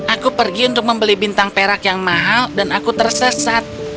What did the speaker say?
aku pergi untuk membeli bintang perak yang mahal dan aku tersesat